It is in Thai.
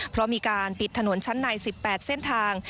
เพราะมีการปิดถนนชั้นใน๑๘เส้นทาง